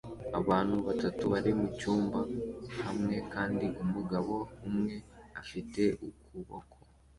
Abantu batatu bari mucyumba hamwe kandi umugabo umwe afite ukuboko